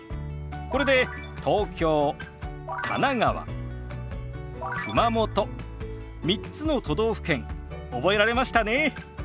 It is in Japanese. これで「東京」「神奈川」「熊本」３つの都道府県覚えられましたね。